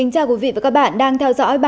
cảm ơn các bạn đã theo dõi